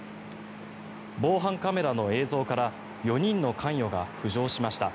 防犯カメラの映像から４人の関与が浮上しました。